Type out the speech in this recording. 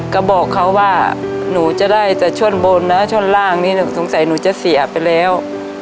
ก็บอกเขาว่าหนูจะได้แต่ช่อนบนนะช่อนล่างนี้สงสัยหนูจะเสียไปแล้ว